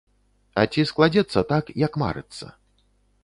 А ці складзецца так, як марыцца?